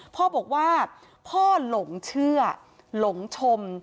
พ่อบอกว่าพ่อหลงเชื่อหลงชม